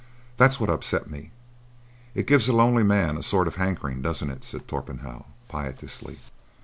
That's what upset me. It gives a lonely man a sort of hankering, doesn't it?" said Torpenhow, piteously.